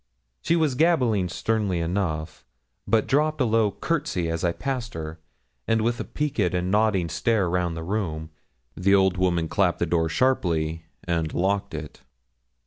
She was gabbling sternly enough, but dropped a low courtesy as I passed her, and with a peaked and nodding stare round the room, the old woman clapped the door sharply, and locked it.